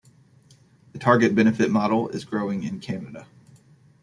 The target benefit model is growing in Canada.